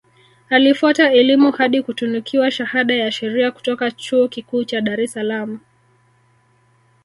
Alifuata elimu hadi kutunukiwa shahada ya Sheria kutoka Chuo Kikuu cha Dar es Salaam